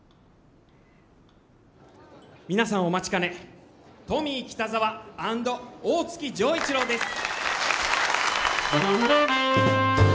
皆さんお待ちかねトミー北沢＆大月錠一郎です！